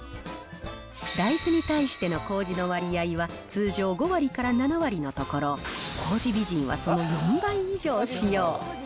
大豆に対してのこうじの割合は、通常５割から７割のところ、糀美人はその４倍以上使用。